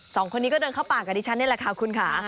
สองคนนี้ก็เดินเข้าป่ากับดิฉันนี่แหละค่ะคุณค่ะ